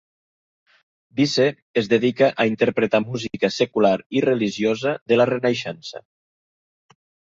Visse es dedica a interpretar música secular i religiosa de la Renaixença.